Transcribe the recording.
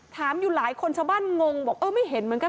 ถามอยู่หลายคนชาวบ้านงงบอกเออไม่เห็นเหมือนกัน